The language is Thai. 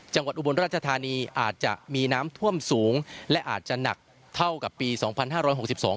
อุบลราชธานีอาจจะมีน้ำท่วมสูงและอาจจะหนักเท่ากับปีสองพันห้าร้อยหกสิบสอง